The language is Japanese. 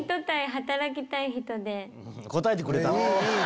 答えてくれた。